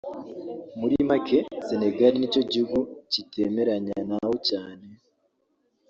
muri make Senegal nicyo gihugu kitemeranya nawo cyane